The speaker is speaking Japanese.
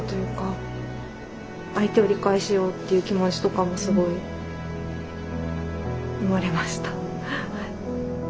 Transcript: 相手を理解しようっていう気持ちとかもすごい生まれました。